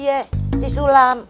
iya si sulam